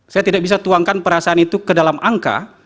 saya tidak bisa tuangkan perasaan itu ke dalam angka